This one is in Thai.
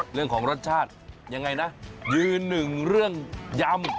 เรื่องของรสชาติยังไงนะยืนหนึ่งเรื่องยำ